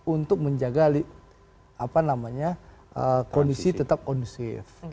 untuk menjaga kondisi tetap kondusif